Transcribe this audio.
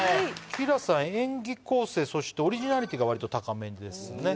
ＫｉＬａさん演技構成そしてオリジナリティーがわりと高めですね。